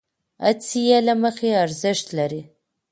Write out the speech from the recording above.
هڅې له مخې ارزښت لرې،